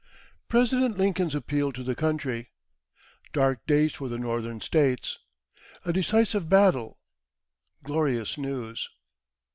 President Lincoln's Appeal to the Country Dark Days for the Northern States A Decisive Battle Glorious News.